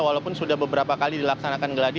walaupun sudah beberapa kali dilaksanakan geladi